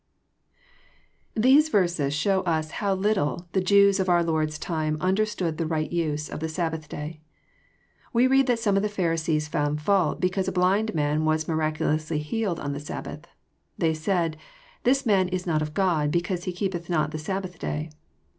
JOHN, CHAP. IX. 149 9 These Terses show us how little the Jews of our Lord^a time underwood the right use of the Scbbbath day. We read that some of the Pharisees found fault because a blind man was miraculously healed on the Sabbath. They said, '' This man is not of God, because He keepeth not the Sabbath day."